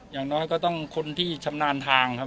อย่างน้อยก็ต้องคนที่ชำนาญทางครับ